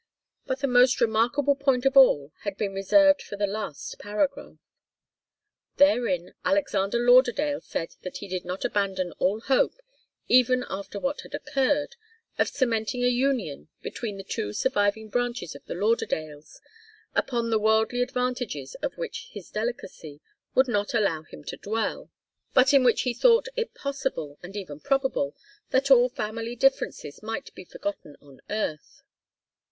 But the most remarkable point of all had been reserved for the last paragraph. Therein Alexander Lauderdale said that he did not abandon all hope, even after what had occurred, of cementing a union between the two surviving branches of the Lauderdales, upon the worldly advantages of which his delicacy would not allow him to dwell, but in which he thought it possible and even probable, that all family differences might be forgotten on earth.